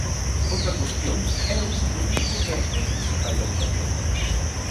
Outra cuestión é o uso político que ás veces se fai da educación.